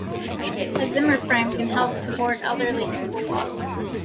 A zimmer-frame can help support elderly people walk.